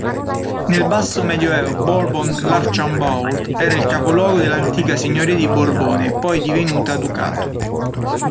Nel Basso Medioevo Bourbon-l'Archambault era il capoluogo dell'antica signoria di Borbone, poi divenuta ducato.